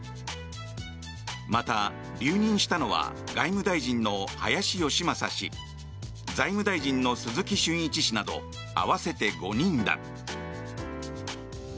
また、留任したのは外務大臣の林芳正氏財務大臣の鈴木俊一氏など合わせて５人だ。